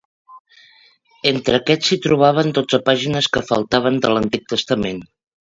Entre aquests s'hi trobaven dotze pàgines que faltaven de l'Antic Testament.